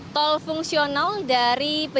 tol fungsional dari pejabat